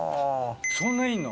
そんないんの？